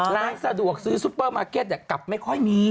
ร้านสะดวกซื้อซุปเปอร์มาร์เก็ตกลับไม่ค่อยมี